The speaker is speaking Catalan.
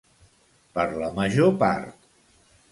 Per la major part.